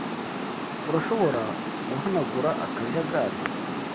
Urashobora guhanagura akajagari?